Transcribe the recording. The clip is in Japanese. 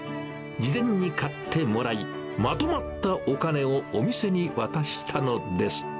事前に買ってもらい、まとまったお金をお店に渡したのです。